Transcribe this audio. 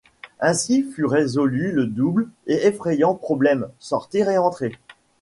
Ainsi fut résolu le double et effrayant problème: sortir et entrer.